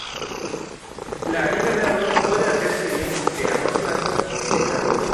La harina de arroz puede hacerse bien de arroz blanco o integral.